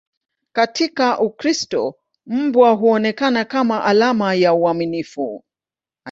Katika Ukristo, mbwa huonekana kama alama ya uaminifu.